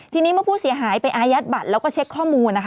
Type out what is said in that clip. ทีนี้เมื่อผู้เสียหายไปอายัดบัตรแล้วก็เช็คข้อมูลนะคะ